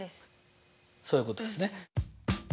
そういうことですね。